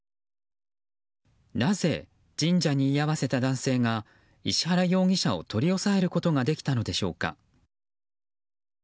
なぜ神社に居合わせた男性が石原容疑者を取り押さえることができたのでしょうか。